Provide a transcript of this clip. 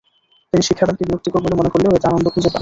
তিনি শিক্ষাদানকে বিরক্তিকর বলে মনে করলেও এতে আনন্দ খুঁজে পান।